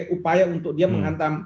upaya untuk dia menghantam